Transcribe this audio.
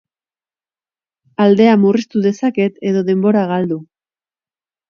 Aldea murriztu dezaket edo denbora galdu.